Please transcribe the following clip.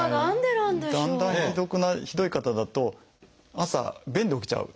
ひどい方だと朝便で起きちゃう。